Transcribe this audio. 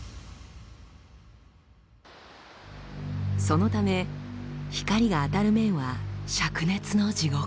そのため光が当たる面はしゃく熱の地獄。